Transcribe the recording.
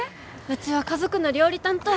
うちは家族の料理担当。